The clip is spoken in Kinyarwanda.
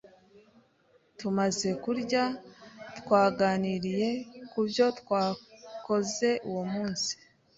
Tumaze kurya, twaganiriye kubyo twakoze uwo munsi.